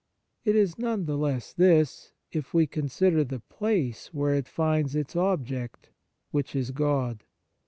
It is none the less this, if we con sider the place where it finds its object, which is God.